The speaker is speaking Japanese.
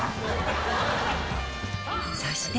そして